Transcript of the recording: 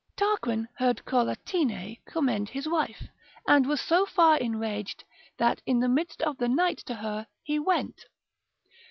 Tarquin heard Collatine commend his wife, and was so far enraged, that in the midst of the night to her he went.